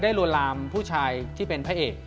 ได้รวรรามผู้ชายที่เป็นพระเอก